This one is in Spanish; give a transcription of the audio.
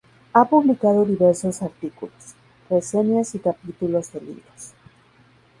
Ha publicado diversos artículos, reseñas y capítulos de libros.